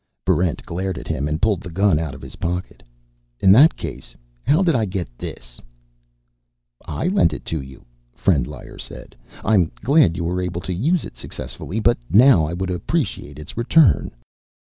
Barrent glared at him and pulled the gun out of his pocket. "In that case, how did I get this?" "I lent it to you," Frendlyer said. "I'm glad you were able to use it successfully, but now I would appreciate its return."